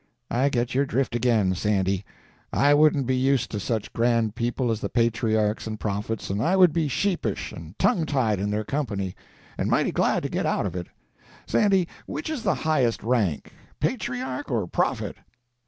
"I get your drift again, Sandy. I wouldn't be used to such grand people as the patriarchs and prophets, and I would be sheepish and tongue tied in their company, and mighty glad to get out of it. Sandy, which is the highest rank, patriarch or prophet?"